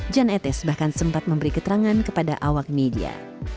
jan etes bahkan sempat memberi keterangan kepada awak media